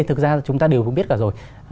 thực ra chúng ta đều cũng biết cả rồi